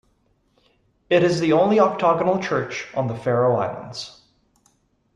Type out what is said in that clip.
It is the only octagonal church on the Faroe Islands.